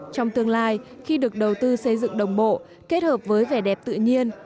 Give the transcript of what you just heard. trong tương lai khi được đầu tư xây dựng đồng bộ kết hợp với vẻ đẹp tự nhiên